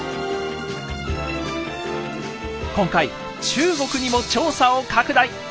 今回中国にも調査を拡大！